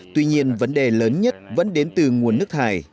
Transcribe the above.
tuy nhiên vấn đề lớn nhất vẫn đến từ nguồn nước thải